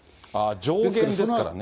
上限ですからね。